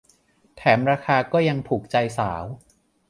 แถมราคาก็ยังถูกใจสาว